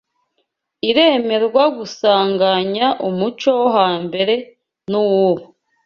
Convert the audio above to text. iremerwa gusanganya umuco wo hambere n’uw’ubu